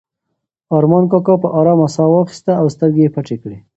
ارمان کاکا په ارامه ساه واخیسته او سترګې یې پټې کړې.